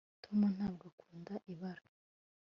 Tom ntabwo akunda ibara